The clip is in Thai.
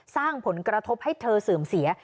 สร้างผลกระทบให้เธอเสื่อมเสีย